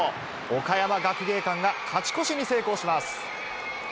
岡山学芸館が勝ち越しに成功します。